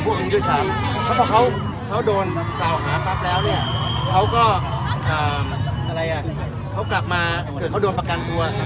ถ้าเขาโดนกล่าวหาปั๊บแล้วเนี่ยเขาก็กลับมาเผื่อเขาโดนประกันทัวร์